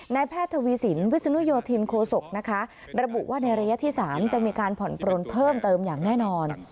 แพทย์ทวีสินวิศนุโยธินโคศกนะคะระบุว่าในระยะที่๓จะมีการผ่อนปลนเพิ่มเติมอย่างแน่นอน